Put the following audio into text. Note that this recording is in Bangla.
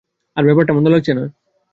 আর ব্যাপারটা মন্দ লাগছে না।